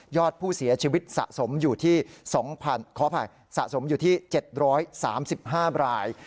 ยอดผู้เสียชีวิตสะสมอยู่ที่๗๓๕ราย